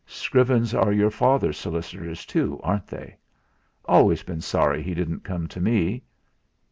Scrivens are your father's solicitors too, aren't they? Always been sorry he didn't come to me.